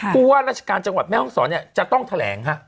ผู้ว่าราชการจังหวัดแม่ห้องศรเนี่ยจะต้องแถลง